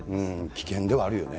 危険ではあるよね。